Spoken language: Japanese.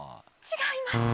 違います。